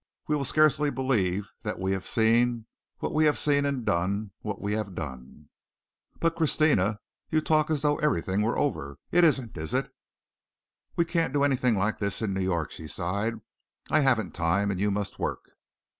We will scarcely believe that we have seen what we have seen and done what we have done." "But, Christina, you talk as though everything were over. It isn't, is it?" "We can't do anything like this in New York," she sighed. "I haven't time and you must work."